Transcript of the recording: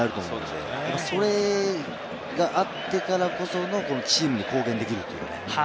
それがあってからこそのチームの貢献できるという。